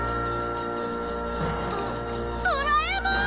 ドドドラえもん！